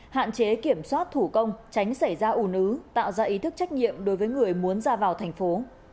hạn chế kiểm soát thủ công tránh xảy ra ủ nứ tạo ra ý thức trách nhiệm đối với người muốn ra vào thành phố